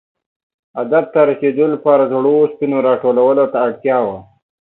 هدف ته رسېدو لپاره زړو اوسپنو را ټولولو ته اړتیا وه.